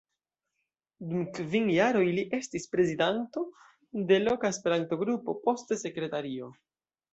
Dum kvin jaroj li estis prezidanto de loka Esperanto-Grupo, poste sekretario.